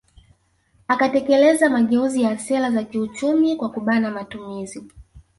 Akatekeleza mageuzi ya sera za kiuchumi kwa kubana matumizi